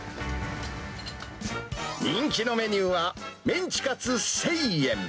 人気のメニューは、メンチカツ１０００円。